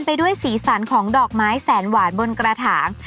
ไปด้วยสีสันของดอกไม้แสนหวานบนกระถาง